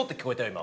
今。